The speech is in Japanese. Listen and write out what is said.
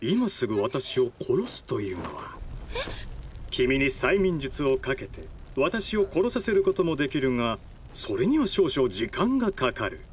君に催眠術をかけて私を殺させることもできるがそれには少々時間がかかる。